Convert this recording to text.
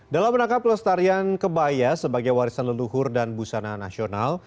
dalam rangka pelestarian kebaya sebagai warisan leluhur dan busana nasional